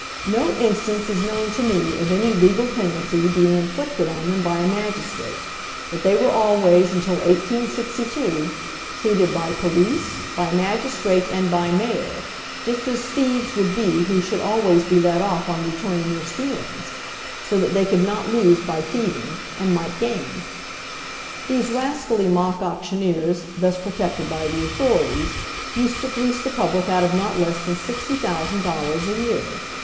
No instance is known to me of any legal penalty being inflicted on them by a magistrate; but they were always, until 1862, treated by police, by magistrate, and by mayor, just as thieves would be who should always be let off on returning their stealings; so that they could not lose by thieving, and might gain. These rascally mock auctioneers, thus protected by the authorities, used to fleece the public out of not less than sixty thousand dollars a year.